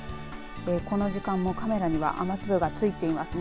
この時間もカメラには雨粒が付いていますね。